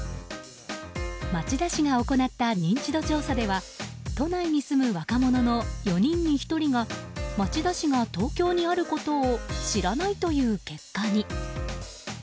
町田市が行った認知度調査では都内に住む若者の４人に１人が町田市が東京にあることを知らないという結果に。